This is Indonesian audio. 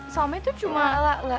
sama itu cuma